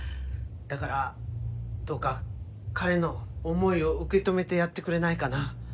だからどうか彼の思いを受け止めてやってくれないかな？